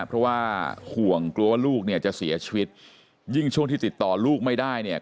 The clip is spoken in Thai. เพราะว่าห่วงกลัวว่าลูกเนี่ยจะเสียชีวิตยิ่งช่วงที่ติดต่อลูกไม่ได้เนี่ย